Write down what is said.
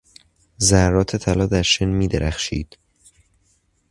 ذرات طلا در شن میدرخشید.